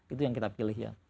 itu yang kita pilih ya